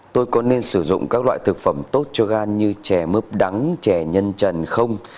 tôi có nên sử dụng các loại thực phẩm tốt cho gan như chè mướp đắng trẻ nhân trần không